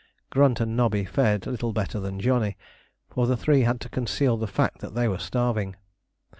Grunt and Nobby fared little better than Johnny, for the three had to conceal the fact that they were starving.